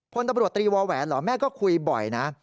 พลตำรวจตรีวอแหวนเหรอแม่ก็คุยบ่อยนะ